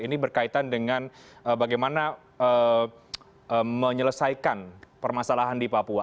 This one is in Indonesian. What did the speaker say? ini berkaitan dengan bagaimana menyelesaikan permasalahan di papua